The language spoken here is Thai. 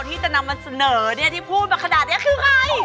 ที่จะนำมาเสนอเนี่ยที่พูดมาขนาดนี้คือใคร